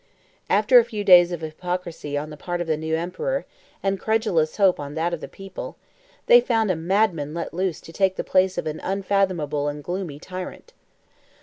After a few days of hypocrisy on the part of the emperor, and credulous hope on that of the people, they found a madman let loose to take the place of an unfathomable and gloomy tyrant.